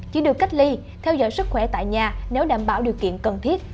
chỉ được cách ly theo dõi sức khỏe tại nhà nếu đảm bảo điều kiện cần thiết